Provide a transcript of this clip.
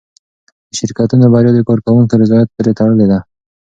د شرکتونو بریا د کارکوونکو رضایت پورې تړلې ده.